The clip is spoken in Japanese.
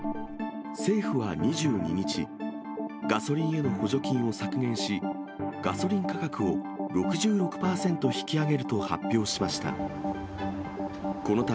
政府は２２日、ガソリンへの補助金を削減し、ガソリン価格を６６％引き上げると発表しました。